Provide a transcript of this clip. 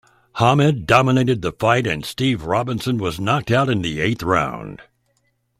Hamed dominated the fight and Steve Robinson was knocked out in the eighth round.